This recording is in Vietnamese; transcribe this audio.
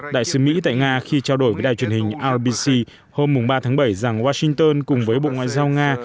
đại sứ mỹ tại nga khi trao đổi với đài truyền hình rbc hôm ba tháng bảy rằng washington cùng với bộ ngoại giao nga